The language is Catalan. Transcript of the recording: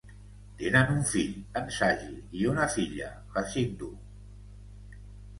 Tenen un fill, en Saji, i una filla, la Sindhu.